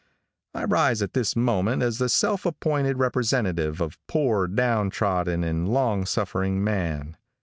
I rise at this moment as the self appointed representative of poor, down trodden and long suffering man.